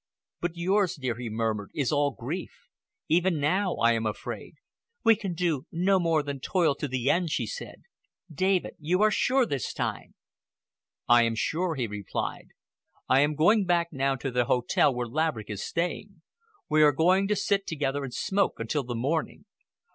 "But yours, dear," he murmured, "is all grief. Even now I am afraid." "We can do no more than toil to the end," she said. "David, you are sure this time?" "I am sure," he replied. "I am going back now to the hotel where Laverick is staying. We are going to sit together and smoke until the morning.